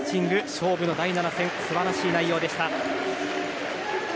勝負の第７戦素晴らしい内容でした。